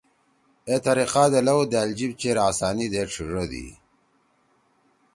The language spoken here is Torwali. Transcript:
اے طریقہ دے لؤ دأل جیب چیر آسانی دے ڇھیِڙَدی۔